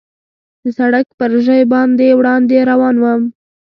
د سړک پر ژۍ باندې وړاندې روان ووم.